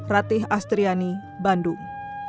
ratih astriani bandung